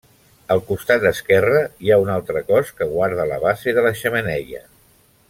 Al costat esquerre hi ha un altre cos que guarda la base de la xemeneia.